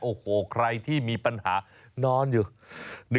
โอ้โหใครที่มีปัญหานอนอยู่